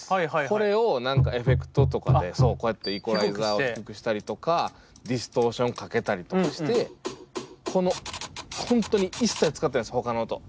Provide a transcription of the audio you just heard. これを何かエフェクトとかでこうやってイコライザーを低くしたりとかディストーションかけたりとかしてこの本当に一切使ってないですほかの音。